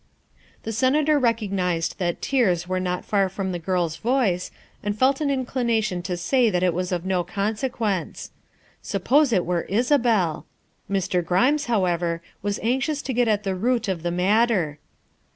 The Senator recognized that tears were not far from the girl's voice and felt an inclination to say it was of no consequence. Suppose it were Isabel? Mr. Grimes, however, was anxious to get at the root of the matter.